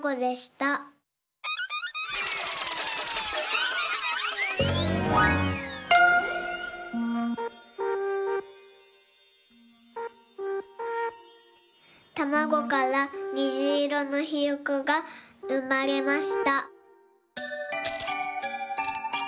たまごからにじいろのひよこがうまれました。